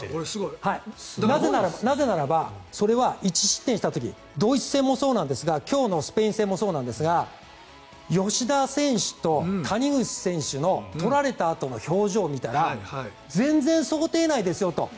なぜならば、それは１失点した時ドイツ戦もそうなんですが今日のスペイン戦もそうなんですが吉田選手と谷口選手の取られたあとの表情を見たら全然想定内ですよと。